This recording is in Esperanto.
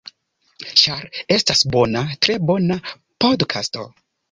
Ĉar estas bona, tre bona podkasto.